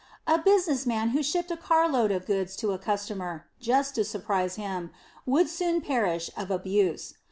A business man who shipped a carload of goods to a customer, just to surprise him, would soon perish of abuse.